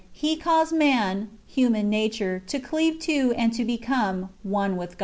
He caused man (human nature) to cleave to and to become one with God.